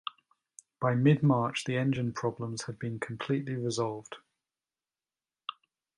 By mid-March, the engine problems had been completely resolved.